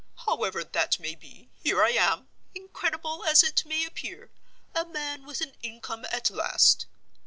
However that may be, here I am—incredible as it may appear—a man with an income, at last.